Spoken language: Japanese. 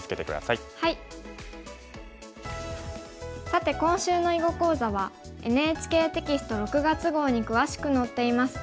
さて今週の囲碁講座はＮＨＫテキスト６月号に詳しく載っています。